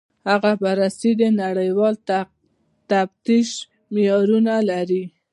هغه بررسي د نړیوال تفتیش معیارونه لري.